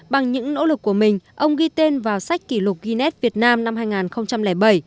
bằng những nỗ lực của mình ông ghi tên vào sách kỷ lục guinness việt nam năm hai nghìn bảy